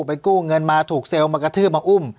ไปกู้เงินมาถูกเซลล์มากระทืบมาอุ้ม